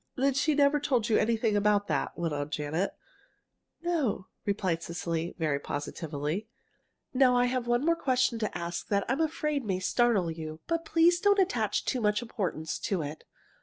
"Then she never told you anything about that?" went on Janet. "No," replied Cecily, very positively. "Now, I have one more question to ask that I'm afraid may startle you, but please don't attach too much importance to it.